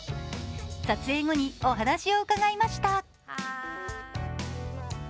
撮影後にお話を伺いました。